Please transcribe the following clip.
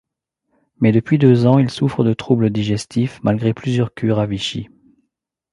Mais depuis deux ans il souffre de troubles digestifs, malgré plusieurs cures à Vichy.